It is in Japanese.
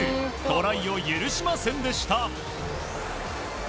トライを許しませんでした。